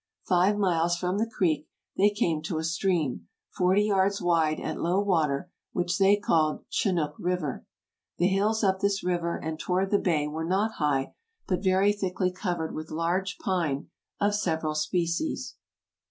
Five miles from the creek, they came to a stream, forty yards wide at low water, which they called Chinnook River. The hills up this river and toward the bay were not high, but very thickly cov ered with large pine of several species.